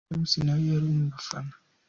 King James na we yari mu bafana.